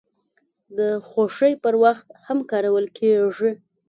د خوښۍ پر وخت هم کارول کیږي.